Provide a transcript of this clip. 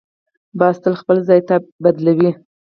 باز تل خپل ځای بدلوي